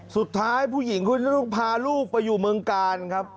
สุดท้ายผู้หญิงคุณพาลูกไปอยู่เมืองกาลครับ